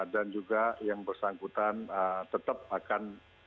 dan juga yang bersangkutan tetap akan